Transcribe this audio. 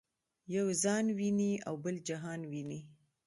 یو ځان ویني او بل جهان ویني.